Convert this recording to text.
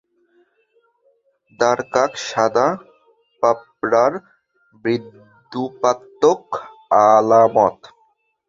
দাঁড়কাক, সাদা পায়রার বিদ্রূপাত্মক আলামত!